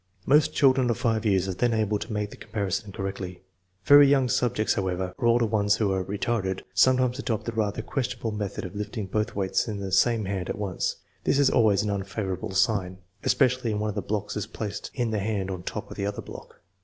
Most children of 5 years are then able to make the comparison correctly. Very young subjects, however, or older ones who are retarded, sometimes adopt the rather questionable method of lifting both weights in the same hand at once. This is always an unfavorable sign, especially if one of the blocks is placed in the hand on top of the other block.